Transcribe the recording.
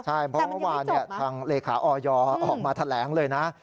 ใช่เพราะเมื่อวานทางเลขาออยออกมาแถลงเลยนะ